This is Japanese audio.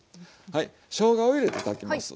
はいしょうがを入れて炊きます。